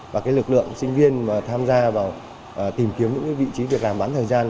và lực lượng sinh viên mà tham gia vào tìm kiếm những vị trí việc làm bán thời gian